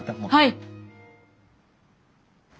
はい！